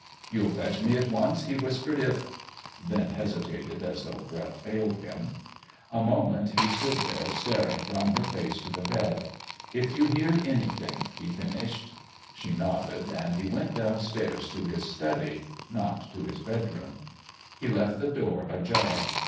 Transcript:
"You'll fetch me at once," he whispered, "if " then hesitated as though breath failed him. A moment he stood there staring from her face to the bed. "If you hear anything," he finished. She nodded, and he went downstairs to his study, not to his bedroom. He left the door ajar.